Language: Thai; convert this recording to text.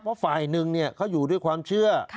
เพราะฝ่ายหนึ่งเขาอยู่ด้วยความเชื่อ